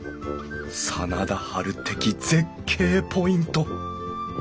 真田ハル的絶景ポイント。